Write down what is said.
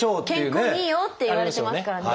健康にいいよっていわれてますから。